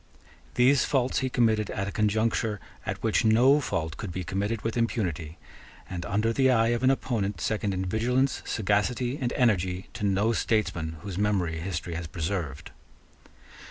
These faults he committed at a conjuncture at which no fault could be committed with impunity, and under the eye of an opponent second in vigilance, sagacity, and energy, to no statesman whose memory history has preserved.